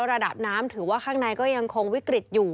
ระดับน้ำถือว่าข้างในก็ยังคงวิกฤตอยู่